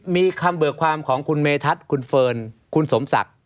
มีคำเบิกความของคุณเมธัศนคุณเฟิร์นคุณสมศักดิ์